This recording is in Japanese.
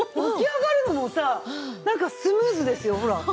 起き上がるのもさなんかスムーズですよほら。